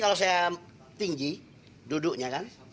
kalau saya tinggi duduknya kan